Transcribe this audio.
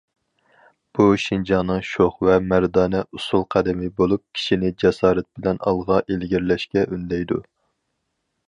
بۇ، شىنجاڭنىڭ شوخ ۋە مەردانە ئۇسسۇل قەدىمى بولۇپ، كىشىنى جاسارەت بىلەن ئالغا ئىلگىرىلەشكە ئۈندەيدۇ.